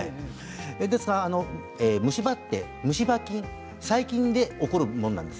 ですが虫歯というのは虫歯菌細菌で起こるものなんです。